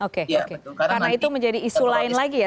oke karena itu menjadi isu lain lagi ya